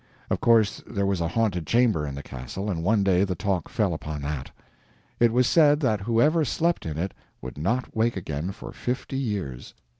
Of course there was a haunted chamber in the castle, and one day the talk fell upon that. It was said that whoever slept in it would not wake again for fifty years.